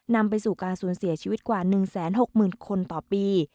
นำไปสู่การสูญเสียชีวิตกว่า๑๖๐๐๐คนต่อปี